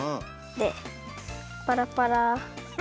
でパラパラ。